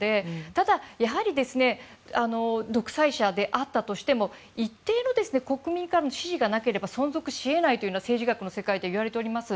ただ、やはり独裁者であったとしても一定の国民からの支持がなければ存続し得ないというのは政治学の世界で言われております。